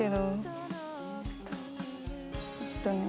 えっとね。